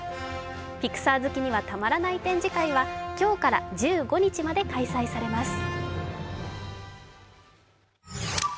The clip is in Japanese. ピクサー好きにはたまらない展示会は今日から１５日まで開催されます。